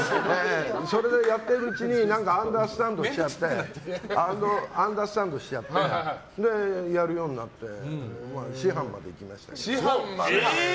それでやってるうちにアンダースタンドしちゃってで、やるようになって師範まで行きました。